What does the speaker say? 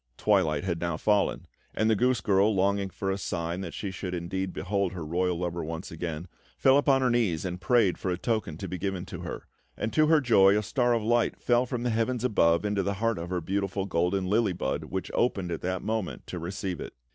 Twilight had now fallen; and the goose girl, longing for a sign that she should indeed behold her royal lover once again, fell upon her knees and prayed for a token to be given to her; and, to her joy, a star of light fell from the heavens above into the heart of her beautiful golden lily bud, which opened at that moment to receive it.